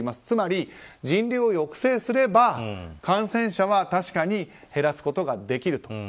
つまり人流を抑制すれば感染者は減らすことはできると。